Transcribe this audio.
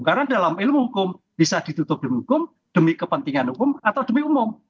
karena dalam ilmu hukum bisa ditutup demi hukum demi kepentingan hukum atau demi umum